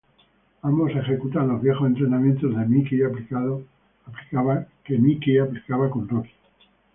Ambos ejecutan los viejos entrenamientos que Mickey aplicaba con Rocky.